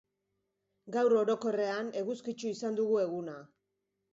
Gaur, orokorrean, eguzkitsu izan dugu eguna.